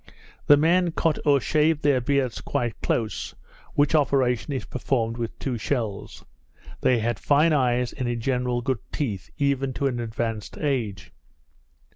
The men cut or shave their beards quite close, which operation is performed with two shells. They have fine eyes, and in general good teeth, even to an advanced age.